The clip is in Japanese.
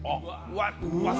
うわっ！